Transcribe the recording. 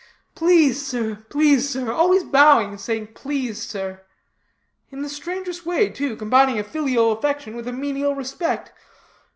'Please sir! please sir!' always bowing and saying, 'Please sir.' In the strangest way, too, combining a filial affection with a menial respect.